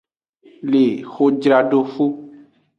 Le hojradoxu.